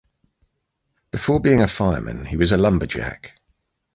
Before being a fireman, he was a lumberjack.